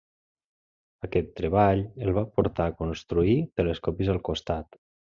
Aquest treball el va portar a construir telescopis al costat.